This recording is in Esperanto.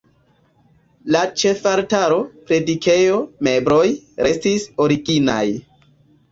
La ĉefaltaro, predikejo, mebloj restis originaj.